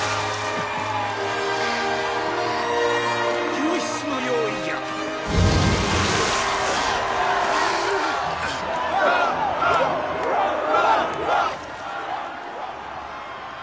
救出の用意じゃ・クラム！